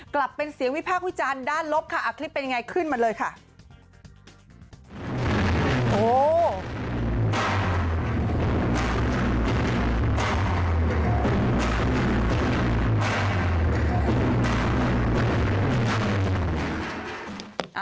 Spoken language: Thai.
กลับเป็นเสียงวิพากษ์วิจารณ์ด้านลบค่ะคลิปเป็นยังไงขึ้นมาเลยค่ะ